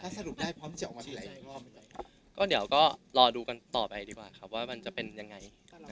ถ้าสรุปได้พร้อมจะเอามาทำอะไรก็รอดูกันต่อไปดีกว่าครับว่าจะเป็นยังไง